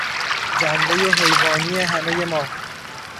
جنبهی حیوانی همهی ما